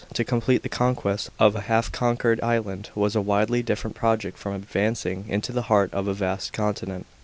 To complete the conquest of a half conquered island was a widely different project from advancing into the heart of a vast continent.